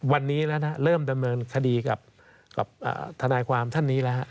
วันนี้แล้วนะเริ่มดำเนินคดีกับทนายความท่านนี้แล้วฮะ